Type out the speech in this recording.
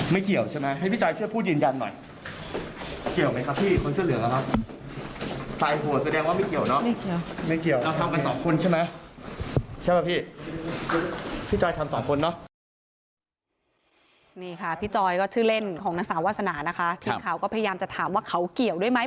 นี่ค่ะพี่จอยก็ชื่อเล่นของนางสาววาสนานะคะทีมข่าวก็พยายามจะถามว่าเขาเกี่ยวด้วยไหม